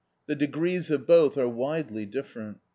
The degrees of both are widely different.